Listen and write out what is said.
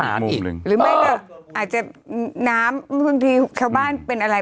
หรือไม่ก็อาจจะน้ำบางทีชาวบ้านเป็นอะไร